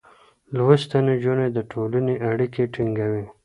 لوستې نجونې د ټولنې اړيکې ټينګوي.